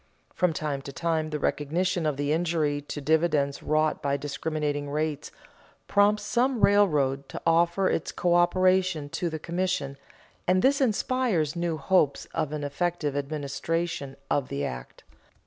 From time to time the recognition of the injury to dividends wrought by discriminating rates prompts some railroad to offer its coöperation to the commission, and this inspires new hopes of an effective administration of the act.